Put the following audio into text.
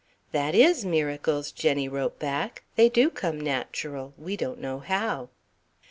"That is miracles," Jenny wrote back. "They do come natural we don't know how."